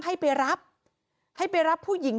มีเรื่องอะไรมาคุยกันรับได้ทุกอย่าง